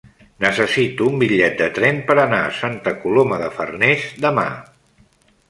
Necessito un bitllet de tren per anar a Santa Coloma de Farners demà.